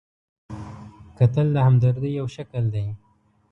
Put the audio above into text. کتل د همدردۍ یو شکل دی